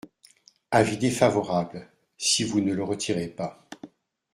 Avis défavorable, si vous ne le retirez pas.